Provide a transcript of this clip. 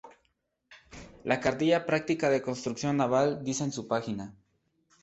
La "Cartilla práctica de construcción naval" dice en su pág.